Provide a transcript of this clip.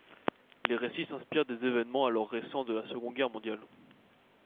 Les récits s'inspirent des événements alors récents de la Seconde Guerre mondiale.